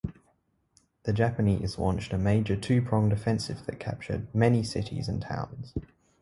The Japanese launched a major two-pronged offensive that captured many cities and towns.